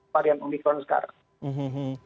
varian omicron sekarang